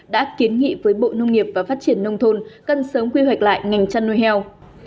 đã kiến nghị với bộ nông nghiệp và phát triển nông thôn cần sớm quy hoạch lại ngành chăn nuôi heo